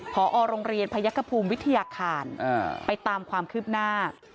พอโรงเรียนพยักษภูมิวิทยาคารไปตามความคืบหน้า